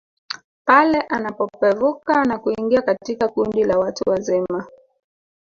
Pale anapopevuka na kuingia katika kundi la watu wazima